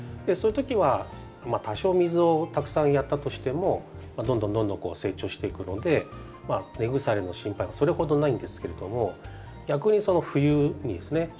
そういう時は多少水をたくさんやったとしてもどんどんどんどん成長していくので根腐れの心配はそれほどないんですけれども逆に冬にですね